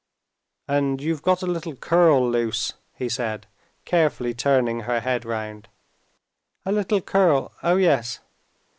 "And you've got a little curl loose," he said, carefully turning her head round. "A little curl, oh yes.